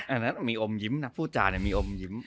อันนั้นมีอมยิ้มนะพูดจาเนี่ยมีอมยิ้ม